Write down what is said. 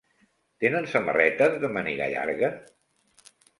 Tenen samarretes de màniga llarga?